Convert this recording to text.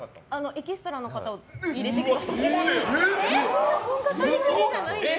エキストラの方を入れてくださって。